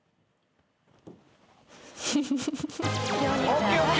ＯＫＯＫ。